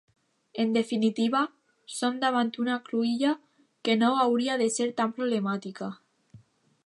En definitiva, som davant una cruïlla que no hauria de ser tan problemàtica.